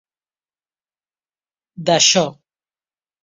D'això.